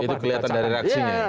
itu kelihatan dari reaksinya